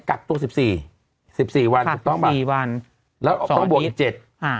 กักตัวสิบสี่สิบสี่วันถูกต้องไหมสี่วันแล้วต้องบวกอีกเจ็ดอ่า